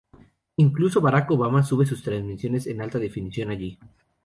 Incluso Barack Obama sube sus transmisiones en alta definición allí.